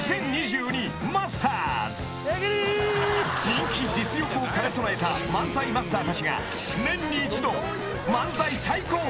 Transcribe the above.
［人気実力を兼ね備えた漫才マスターたちが年に一度漫才最高峰のステージに集結］